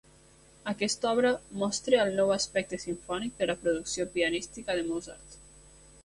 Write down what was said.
Aquesta obra mostra el nou aspecte simfònic de la producció pianística de Mozart.